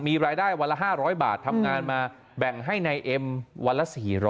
มีรายได้วันละ๕๐๐บาททำงานมาแบ่งให้นายเอ็มวันละ๔๐๐